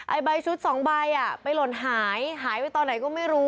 ไอ้ใบชุด๒ใบไปหล่นหายหายไปตอนไหนก็ไม่รู้